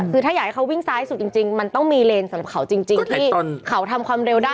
ถ้าอยากให้เขาวิ่งซ้ายสุดจริงมันต้องมีเลนเดิมสำหรับเขาจริง